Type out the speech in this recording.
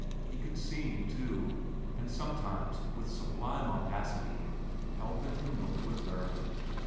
He could sing, too, and sometimes, with sublime audacity, held the hymn book with her.